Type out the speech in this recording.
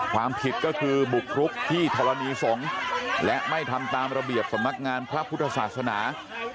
ความผิดก็คือบุกรุกที่ธรณีสงฆ์และไม่ทำตามระเบียบสำนักงานพระพุทธศาสนา